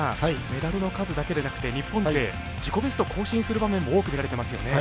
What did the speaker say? メダルの数だけでなくて日本勢自己ベスト更新する場面も多く見られてますよね。